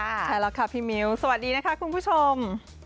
ใช่แล้วค่ะพี่มิ้วสวัสดีนะคะคุณผู้ชม